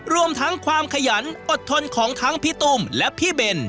รวมทั้งความขยันอดทนของทั้งพี่ตุ้มและพี่เบน